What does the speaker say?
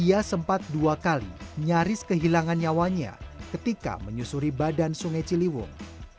ia sempat dua kali nyaris kehilangan nyawanya ketika menyusuri badan sungai ciliwung